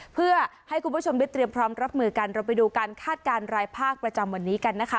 เพื่อให้คุณผู้ชมได้เตรียมพร้อมรับมือกันเราไปดูการคาดการณ์รายภาคประจำวันนี้กันนะคะ